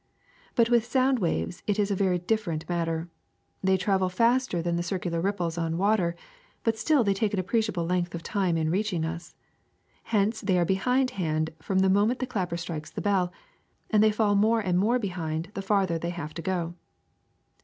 *^But with sound waves it is a very different mat ter. They travel faster than the circular ripples on water, but still they take an appreciable length of time in reaching us. Hence they are behindhand from the moment the clapper strikes the bell, and they fall more and more behind the farther they have to go.